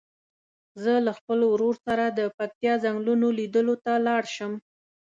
زه له خپل ورور سره د پکتیا څنګلونو لیدلو ته لاړ شم.